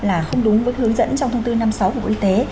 là không đúng với hướng dẫn trong thông tư năm sáu của quốc y tế